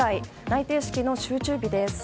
内定式の集中日です。